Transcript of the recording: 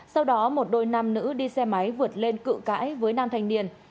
sau đó một đôi nam nữ đi xe máy vượt lên cự cãi với nam thanh niên